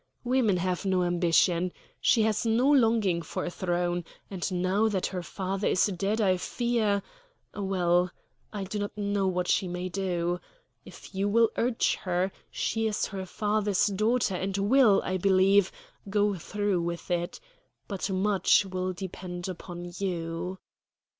Women have no ambition. She has no longing for a throne; and now that her father is dead I fear well, I do not know what she may do. If you will urge her, she is her father's daughter, and will, I believe, go through with it. But much will depend upon you."